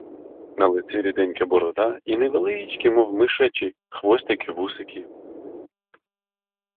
На лиці ріденька борода і невеличкі, мов мишачі хвостики, вусики.